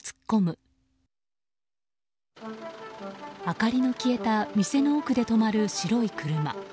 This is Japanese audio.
明かりの消えた店の奥で止まる白い車。